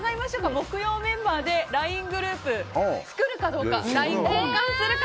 木曜メンバーでＬＩＮＥグループ作るかどうか。